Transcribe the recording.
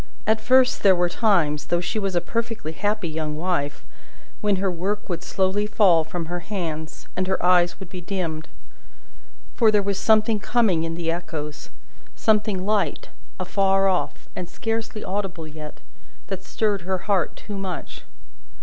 At first, there were times, though she was a perfectly happy young wife, when her work would slowly fall from her hands, and her eyes would be dimmed. For, there was something coming in the echoes, something light, afar off, and scarcely audible yet, that stirred her heart too much.